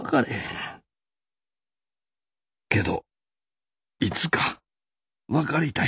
けどいつか分かりたい。